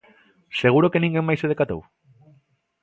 Seguro que ninguén máis se decatou?